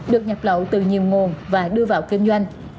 được nhập lậu từ nhiều nguồn và đưa vào kinh doanh